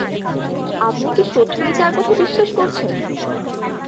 আপনি কি সত্যিই তার কথা বিশ্বাস করছেন?